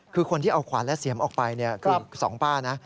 คือคนที่เอาขวานและเสียมออกไปคือสองป้านะ